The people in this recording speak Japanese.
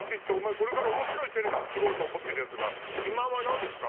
これから面白いテレビ作ろうと思ってるヤツが「自慢は何ですか？」